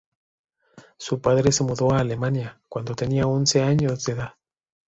Su padre se mudó a Alemania cuando tenía once años de edad.